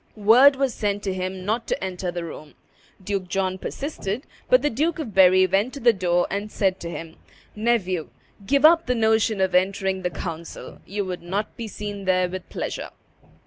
Word was sent to him not to enter the room. Duke John persisted; but the Duke of Berry went to the door and said to him, "Nephew, give up the notion of entering the council; you would not be seen there with pleasure."